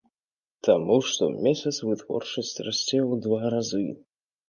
Таму штомесяц вытворчасць расце ў два разы.